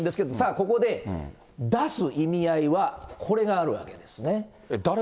ここで、出す意味合いはこれがあるわけですね。